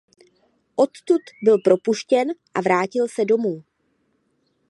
Odtud byl propuštěn a vrátil se domů.